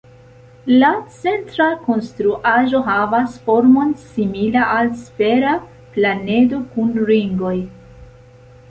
La centra konstruaĵo havas formon simila al sfera planedo kun ringoj.